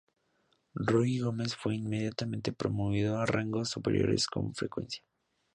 Rui-Gómez fue inmediatamente promovido a rangos superiores con frecuencia.